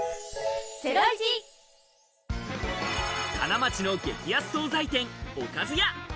金町の激安惣菜店、おかず屋。